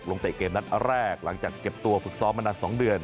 เตะเกมนัดแรกหลังจากเก็บตัวฝึกซ้อมมานาน๒เดือน